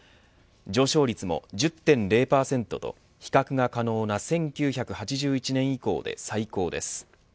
上昇率も１０．０％と比較が可能な１９８１年以降で最高です。